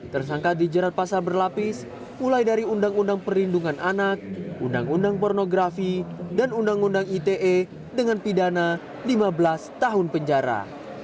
tersangka dijerat pasal berlapis mulai dari undang undang perlindungan anak undang undang pornografi dan undang undang ite dengan pidana lima belas tahun penjara